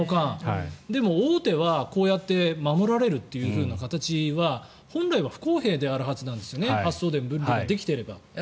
でも、大手はこうやって守られるという形は本来は不公平であるはずなんです発送電分離ができていれば。